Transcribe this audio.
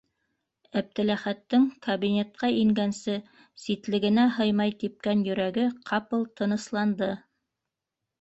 Әптеләхәттең кабинетҡа ингәнсе ситлегенә һыймай типкән йөрәге ҡапыл тынысланды.